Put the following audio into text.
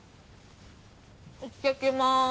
いってきまーす。